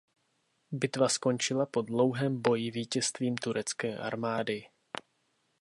Bitva skončila po dlouhém boji vítězstvím turecké armády.